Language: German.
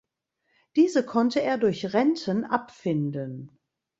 Diese konnte er durch Renten abfinden.